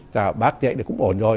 là bác vậy cũng ổn rồi